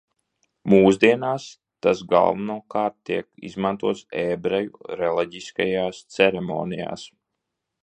Mūsdienās tas galvenokārt tiek izmantots ebreju reliģiskajās ceremonijās.